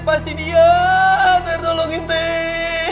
pasti dia ter tolongin ter